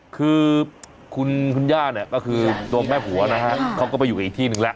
คือคุณย่าเนี่ยก็คือตัวแม่ผัวนะฮะเขาก็ไปอยู่กับอีกที่หนึ่งแล้ว